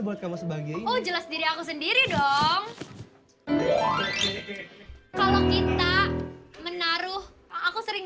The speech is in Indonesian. buat kamu sebagai oh jelas diri aku sendiri dong kalau kita menaruh aku sering